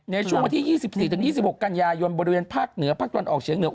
ในช่วงวันที่๒๔๒๖กันยายนบริเวณภาคเหนือภาคตะวันออกเฉียงเหนือ